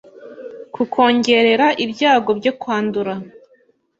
ku kongerera ibyago byo kwandura